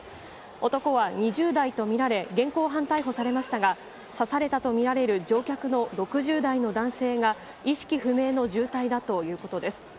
男は２０代と見られ、現行犯逮捕されましたが、刺されたと見られる乗客の６０代の男性が、意識不明の重体だということです。